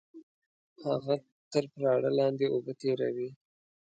هغه تر پراړه لاندې اوبه تېروي